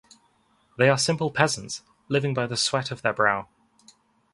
They are simple peasants, living by the sweat of their brow.